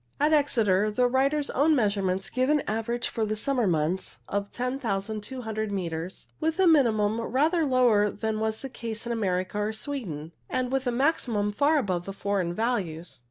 At Exeter the writer's own measurements give an average for the summer months of 10,200 metres, with a mini mum rather lower than was the case in America or Sweden, and with a maximum far above the foreign values.